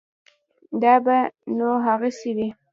دا به نو هغسې وي.